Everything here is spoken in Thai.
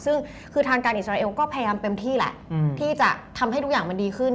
ซึ่งคือทางการอิสราเอลก็พยายามเต็มที่แหละที่จะทำให้ทุกอย่างมันดีขึ้น